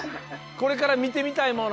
これから見てみたい